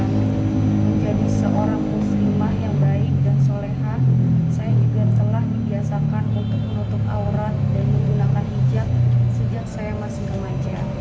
menjadi seorang muslimah yang baik dan soleha saya juga telah dibiasakan untuk menutup aurat dan menggunakan hijab sejak saya masih remaja